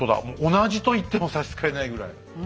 同じと言っても差し支えないぐらい。